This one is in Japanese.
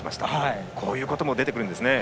こういうことも出てくるんですね。